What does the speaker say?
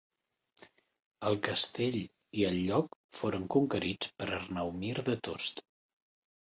El castell i el lloc foren conquerits per Arnau Mir de Tost.